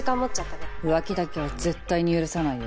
浮気だけは絶対に許さないよ。